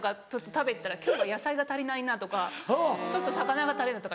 食べてたら「今日は野菜が足りないな」とか「ちょっと魚が足りない」とか。